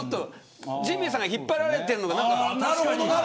ジミーさんが引っ張られてるのかな。